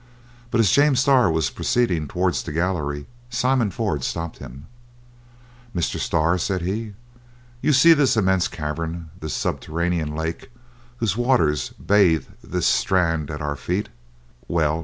But as James Starr was proceeding towards the gallery Simon Ford stopped him. "Mr. Starr," said he, "you see this immense cavern, this subterranean lake, whose waters bathe this strand at our feet? Well!